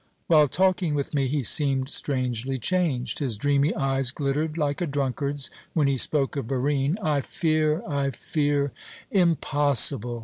While talking with me he seemed strangely changed. His dreamy eyes glittered like a drunkard's when he spoke of Barine. I fear, I fear " "Impossible!"